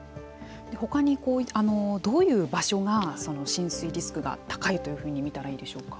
他にはどういう場所が浸水リスクが高いというふうに見たらいいでしょうか。